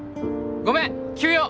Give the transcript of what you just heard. ごめん急用！